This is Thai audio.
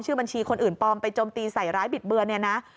บัญชีคนอื่นปลอมไปจมตีใส่ร้ายบิดเบือนเนี่ยนะ